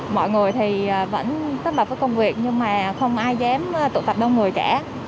mọi người thì vẫn tất bập với công việc nhưng mà không ai dám tụ tập đông người cả